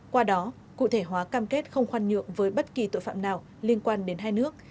qua đó cụ thể hóa cam kết không khoan nhượng với bất kỳ tội phạm nào liên quan đến hai nước